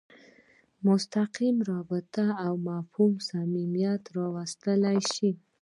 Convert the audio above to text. مستقیمه رابطه او مفاهمه صمیمیت راوستلی شي.